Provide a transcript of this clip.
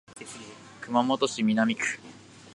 熊本市南区